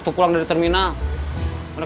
dari bahan bahan nyaman